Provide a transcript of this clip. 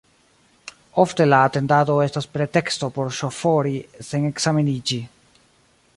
Ofte la atendado estas preteksto por ŝofori sen ekzameniĝi.